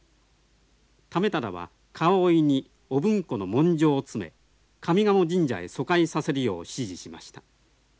為理は皮おいに御文庫の文書を詰め上賀茂神社へ疎開させるよう指示しました。